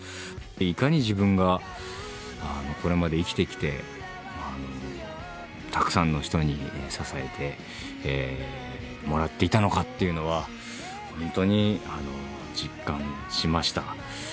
いかに自分がこれまで生きてきて、たくさんの人に支えてもらっていたのかっていうのは、本当に実感しました。